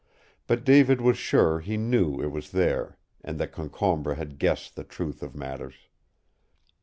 But David was sure he knew it was there and that Concombre had guessed the truth of matters.